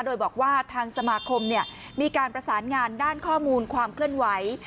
โดยบอกว่าทางสมาคมมีการประสานงานด้านข้อมูลความเคลื่อนไหว